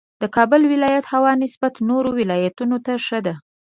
د کابل ولایت هوا نسبت نورو ولایتونو ته ښه ده